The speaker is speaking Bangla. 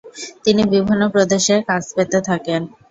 তিনি বিভিন্ন প্রদেশে কাজ পেতে থাকেন।